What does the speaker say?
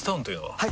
はい！